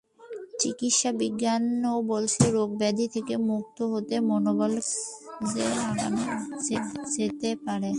চিকিৎসাবিজ্ঞানও বলছে, রোগ-ব্যাধি থেকে মুক্ত হতে মনোবল কাজে লাগানো যেতে পারে।